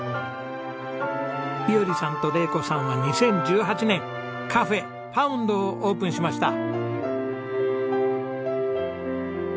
衣織さんと玲子さんは２０１８年カフェＰＯＵＮＤをオープンしました。